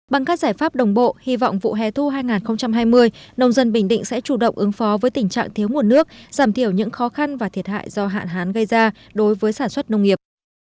bằng các giải pháp đồng bộ hy vọng vụ hè thu hai nghìn hai mươi nông dân bình định sẽ chủ động ứng phó với tình trạng thiếu nguồn nước giảm thiểu những khó khăn và thiệt hại do hạn hán gây ra đối với sản xuất nông nghiệp